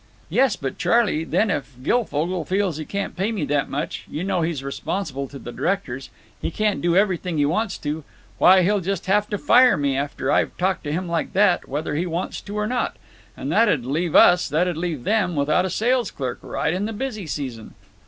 "Yes, but, Charley, then if Guilfogle feels he can't pay me that much—you know he's responsible to the directors; he can't do everything he wants to—why, he'll just have to fire me, after I've talked to him like that, whether he wants to or not. And that'd leave us—that'd leave them—without a sales clerk, right in the busy season."